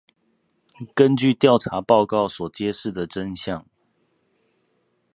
依據調查報告所揭示的真相